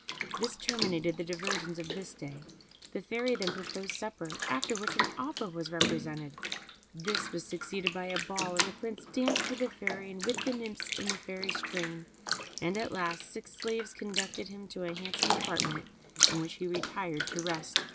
This terminated the diversions of this day. The Fairy then proposed supper, after which an opera was represented; this was succeeded by a ball, and the Prince danced with the Fairy, and with the nymphs in the Fairy's train, and at last six slaves conducted him to a handsome apartment, in which he retired to rest.